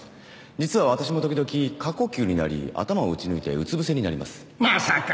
実は私も時々過呼吸になり頭を撃ち抜いてうつ伏せになりますまさか！